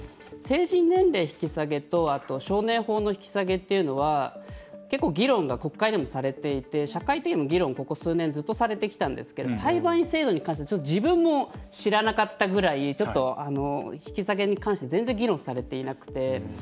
成人年齢引き下げと少年法の引き下げっていうのは結構、議論が国会でもされていて社会的にも議論、ここ数年ずっとされてきたんですけど裁判員制度に関しては、ちょっと自分も知らなかったぐらい引き下げに関して全然議論されていなくて。